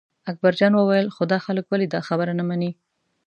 اکبرجان وویل خو دا خلک ولې دا خبره نه مني.